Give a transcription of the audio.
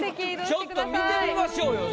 ちょっと見てみましょうよ。